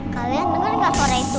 kalian dengar nggak suara itu